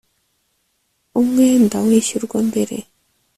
umwenda wishyurwa mbere.